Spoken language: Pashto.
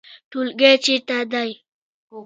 ټولګی چیرته ده؟